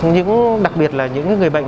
những đặc biệt là những người bệnh